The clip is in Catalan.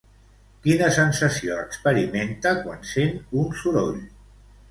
Quina sensació experimenta quan sent un soroll?